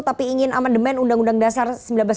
tapi ingin amandemen undang undang dasar